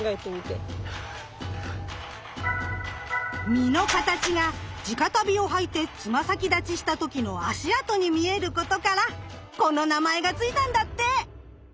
実の形が地下足袋を履いて爪先立ちした時の足跡に見えることからこの名前がついたんだって。